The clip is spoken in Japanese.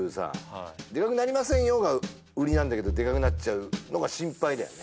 はいでかくなりませんよが売りなんだけどでかくなっちゃうのが心配だよね